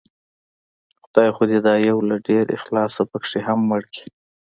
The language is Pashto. خدای خو دې دا يو له ډېر اخلاصه پکې هم مړ کړي